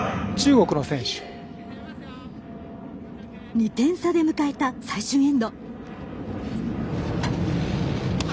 ２点差で迎えた最終エンド。